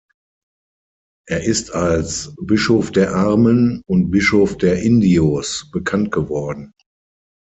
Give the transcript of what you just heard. Er ist als „Bischof der Armen“ und „Bischof der Indios“ bekannt geworden.